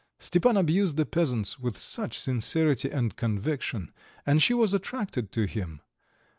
Stepan abused the peasants with such sincerity and conviction, and she was attracted to him.